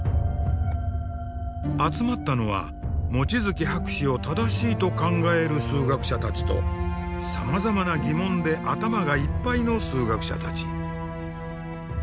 集まったのは望月博士を正しいと考える数学者たちとさまざまな疑問で頭がいっぱいの数学者たち。